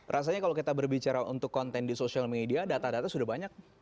rasanya kalau kita berbicara untuk konten di social media data data sudah banyak